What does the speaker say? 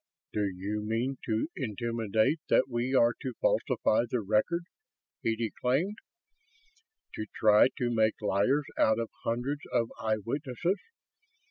"Do you mean to intimate that we are to falsify the record?" he declaimed. "To try to make liars out of hundreds of eyewitnesses?